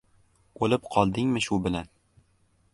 — O‘lib qoldingmi shu bilan?..